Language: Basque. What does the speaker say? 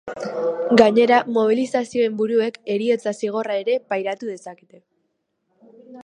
Gainera, mobilizazioen buruek heriotza zigorra ere pairatu dezakete.